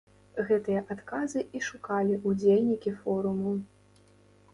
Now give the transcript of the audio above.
Гэтыя адказы і шукалі ўдзельнікі форуму.